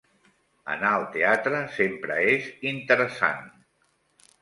Anar al teatre sempre és interessant.